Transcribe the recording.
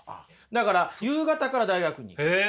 だから夕方から大学院に行くんです。